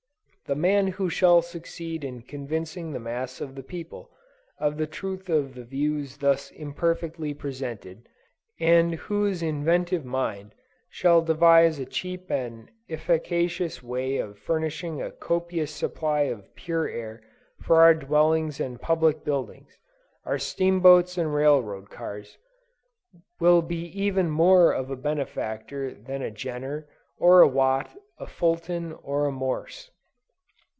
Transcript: The man who shall succeed in convincing the mass of the people, of the truth of the views thus imperfectly presented, and whose inventive mind shall devise a cheap and efficacious way of furnishing a copious supply of pure air for our dwellings and public buildings, our steamboats and railroad cars, will be even more of a benefactor than a Jenner, or a Watt, a Fulton, or a Morse.